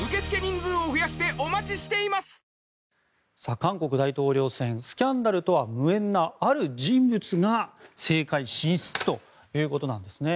韓国大統領選スキャンダルとは無縁なある人物が政界進出ということなんです。